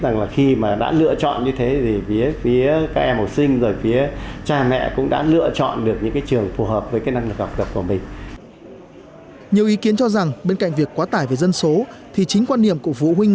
nhiều ý kiến cho rằng bên cạnh việc quá tải về dân số thì chính quan niệm của phụ huynh